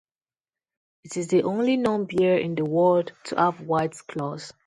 It is the only known bear in the world to have white claws.